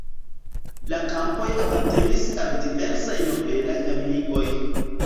La kampoj apartenis al diversaj nobelaj familioj.